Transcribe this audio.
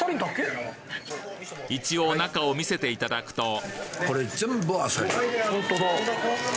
一応中を見せていただくとホントだ。